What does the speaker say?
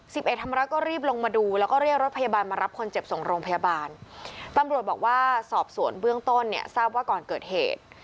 สิบเอกธรรมรัฐก็รีบลงมาดูแล้วก็เรียกรถพยาบาลมารับคนเจ็บส่งโรงพยาบาลตำรวจบอกว่าสอบสวนเบื้องต้นเนี่ยทราบว่าก่อนเกิดเหตุ